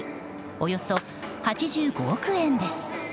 およそ８５億円です。